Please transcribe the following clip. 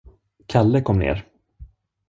Kalle kom ner.